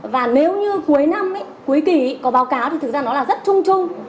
và nếu như cuối năm cuối kỷ có báo cáo thì thực ra nó là rất trung trung